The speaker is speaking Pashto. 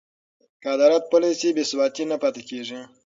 که عدالت پلی شي، بې ثباتي نه پاتې کېږي.